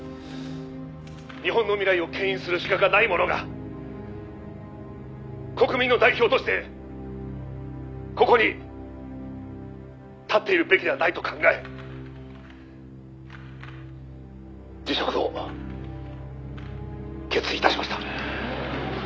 「日本の未来を牽引する資格がない者が国民の代表としてここに立っているべきではないと考え辞職を決意致しました」